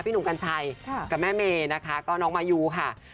หนุ่มกัญชัยกับแม่เมย์นะคะก็น้องมายูค่ะ